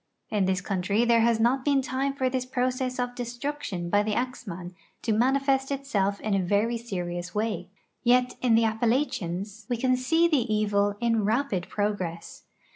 In this countiy there has not been time for this l)rocess of destruction by the axman to manifest itself in a veiy serious way, yet in the Appalachians we can see the evil in rapid ])rogress.